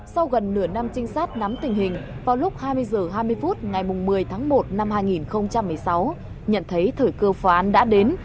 sau gần nửa năm trinh sát nắm tình hình vào lúc hai mươi h hai mươi phút ngày một mươi tháng một năm hai nghìn một mươi sáu nhận thấy thời cơ phá án đã đến